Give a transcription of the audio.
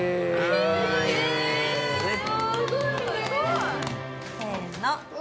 すごい！せの！